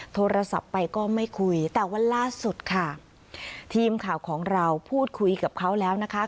โทรศัพท์ไปก็ไม่คุยแต่วันล่าสุดค่ะทีมข่าวของเราพูดคุยกับเขาแล้วนะคะ